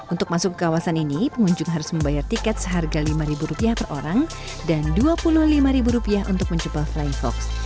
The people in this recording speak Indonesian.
untuk masuk ke kawasan ini pengunjung harus membayar tiket seharga rp lima per orang dan rp dua puluh lima untuk mencoba flying fox